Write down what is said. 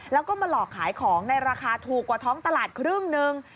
แล้วก็มาหลอกขายของในราคาถูกกว่าท้องตลาดครึ่งหนึ่ง